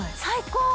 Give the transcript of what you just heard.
最高！